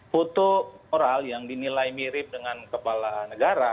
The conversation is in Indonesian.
foto moral yang dinilai mirip dengan kepala negara